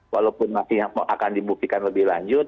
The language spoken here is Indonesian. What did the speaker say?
walaupun masih akan dibuktikan lebih lanjut